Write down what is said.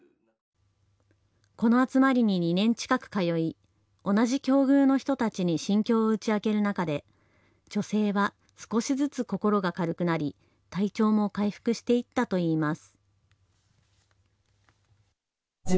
この集まりに２年近く通い同じ境遇の人たちに心境を打ち明ける中で女性は少しずつ心が軽くなり体調も回復していったといいます。